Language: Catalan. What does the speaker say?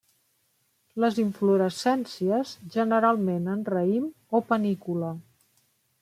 Les inflorescències generalment en raïm o panícula.